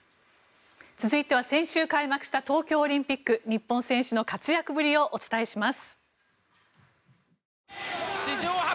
続いては先週開幕した東京オリンピック日本選手の活躍ぶりをお伝えします。